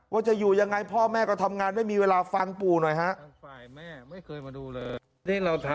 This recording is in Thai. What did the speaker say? ว่าจะอยู่ยังไงพ่อแม่ก็ทำงานไม่มีเวลาฟังปู่หน่อยฮะ